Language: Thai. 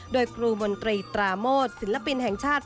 โดยครูมนตรีตราโมทศิลปินแห่งชาติ